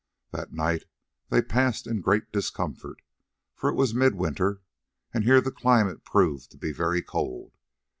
That night they passed in great discomfort, for it was mid winter and here the climate proved to be very cold.